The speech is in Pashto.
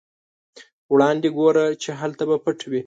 وړاندې ګوره چې هلته به پټ وي.